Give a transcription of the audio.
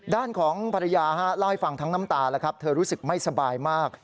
ด้านของภรรยาเล่าให้ฟังทั้งน้ำตาแล้วครับเธอรู้สึกไม่สบายมาก